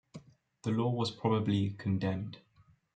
The law was probably condemned.